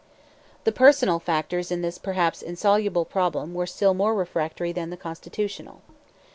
The personal factors in this perhaps insoluble problem were still more refractory than the constitutional.